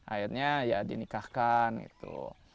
akhirnya ya dinikahkan gitu